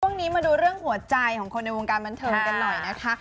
ช่วงนี้มาดูเรื่องหัวใจของคนในวงการบันเทิงกันหน่อยนะคะ